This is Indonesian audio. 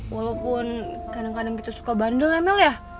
walaupun kadang kadang kita suka bandel ya mel ya